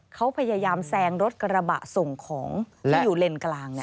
เขาพยายามแซงรถกระบะส่งของที่อยู่เลนกลาง